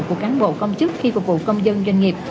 của cán bộ công chức khi phục vụ công dân doanh nghiệp